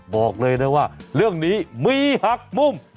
บอกเลยนะว่าเรื่องนี้มีหักมุม